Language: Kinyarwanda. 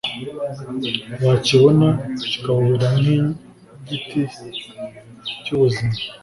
wakibona, kikawubera nk'igiti cy'ubuzima